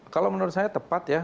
kalau menurut saya tepat ya